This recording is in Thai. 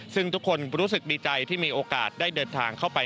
ซึ่งทุกคนรู้สึกดีใจที่มีโอกาสได้เดินทางเข้าไป